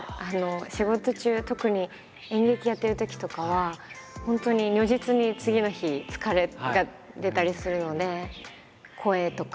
仕事中特に演劇やってるときとかは本当に如実に次の日疲れが出たりするので声とか。